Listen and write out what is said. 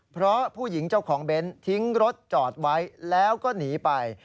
เพราะผู้หญิงเจ้าของเบนท์ทิ้งรถจอดไว้แล้วก็หนีไป